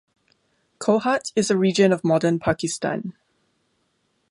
Kohat is a region of modern Pakistan.